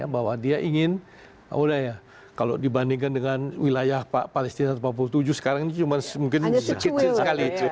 bahwa dia ingin kalau dibandingkan dengan wilayah palestina satu ratus tujuh puluh tujuh sekarang ini mungkin sedikit sekali